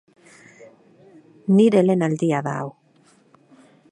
Nire lehen aldia da hau!